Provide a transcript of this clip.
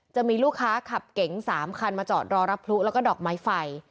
จะมีลูกค้าขับเก๋ง๓คันมาจอดรอรับพลุแล้วก็ดอกไม้ไฟ